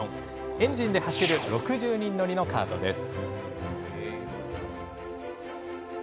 エンジンで走る６０人乗りのカートです。